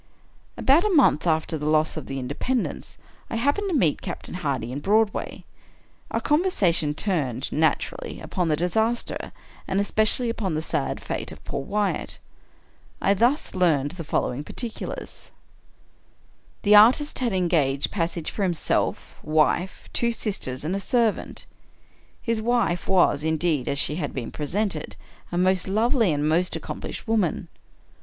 About a month after the loss of the " Independence," I happened to meet Captain Hardy in Broadway. Our con versation turned, naturally, upon the disaster, and especially upon the sad fate of poor Wyatt. I thus learned the fol lowing particulars : The artist had engaged passage for himself, wife, two sisters and a servant. His wife was, indeed, as she had been represented, a most lovely, and most accomplished woman.